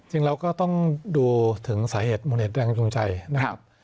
เราก็ต้องดูถึงสาเหตุมูลเหตุแรงจูงใจนะครับ